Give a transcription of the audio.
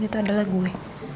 bantuin itu adalah gue